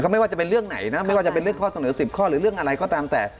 ไม่ว่าจะเป็นเรื่องไหนนะไม่ว่าจะเป็นเรื่องข้อเสนอ๑๐ข้อหรือเรื่องอะไรก็ตามแต่